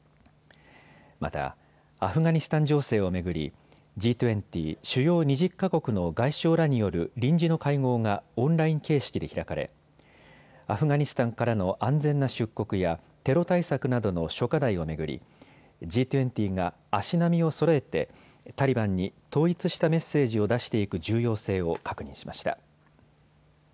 また、アフガニスタン情勢を巡りＧ２０・主要２０か国の外相らによる臨時の会合がオンライン形式で開かれアフガニスタンからの安全な出国やテロ対策などの諸課題を巡りＧ２０が足並みをそろえてタリバンに統一したメッセージを出していく重要性を確認しました。